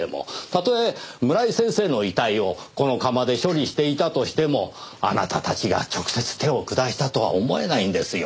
例え村井先生の遺体をこの窯で処理していたとしてもあなたたちが直接手を下したとは思えないんですよ。